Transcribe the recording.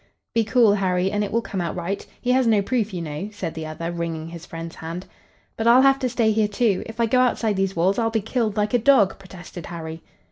"Be cool, Harry, and it will come out right. He has no proof, you know," said the other, wringing his friend's hand. "But I'll have to stay here, too. If I go outside these walls, I'll be killed like a dog," protested Harry.